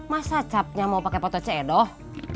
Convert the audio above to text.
masa capnya mau pakai foto cedoh